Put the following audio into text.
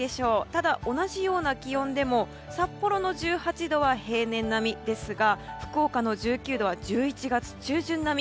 ただ、同じような気温でも札幌の１８度は平年並みですが福岡の１９度は１１月中旬並み。